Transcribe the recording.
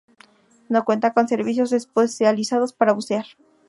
No cuenta con servicios especializados para bucear.